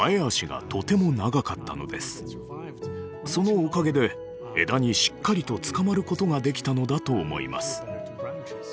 そのおかげで枝にしっかりとつかまることができたのだと思います。